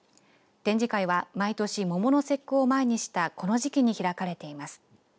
展示会は毎年桃の節句を前にしたこの時期に開かれています。